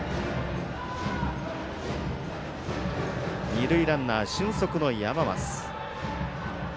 二塁ランナー俊足の山増。